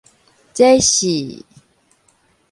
這是